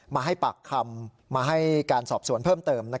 มาให้ปากคำมาให้การสอบสวนเพิ่มเติม